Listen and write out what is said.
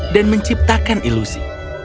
dan menciptakan ilusi